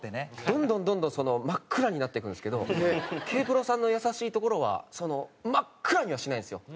どんどんどんどん真っ暗になっていくんですけどＫ−ＰＲＯさんの優しいところは真っ暗にはしないんですよ。